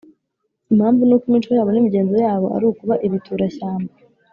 impamvu ni uko imico yabo n’imigenzo yabo ari ukuba ibitura-shyamba.